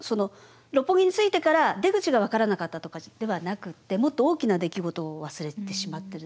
六本木に着いてから出口が分からなかったとかではなくてもっと大きな出来事を忘れてしまってる。